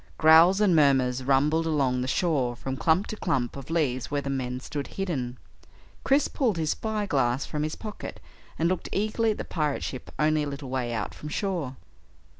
Growls and murmurs rumbled along the shore from clump to clump of leaves where the men stood hidden. Chris pulled his spyglass from his pocket and looked eagerly at the pirate ship only a little way out from shore.